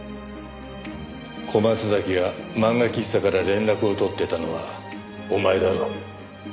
小松崎が漫画喫茶から連絡を取ってたのはお前だろ。